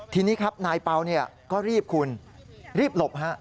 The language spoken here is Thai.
ทีนี้ครับนายเปล่าก็รีบคุณรีบหลบฮะ